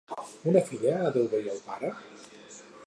Una filla ha d'obeir el pare?